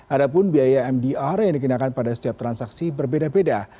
ada pun biaya mdr yang dikenakan pada setiap transaksi berbeda beda